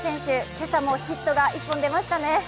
今朝もヒットが１本出ましたね。